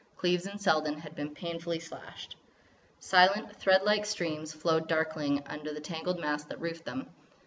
Cleves and Selden had been painfully slashed. Silent, thread like streams flowed darkling under the tangled mass that roofed them.